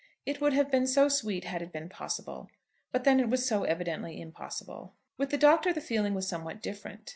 It would have been so sweet had it been possible; but then it was so evidently impossible. With the Doctor the feeling was somewhat different.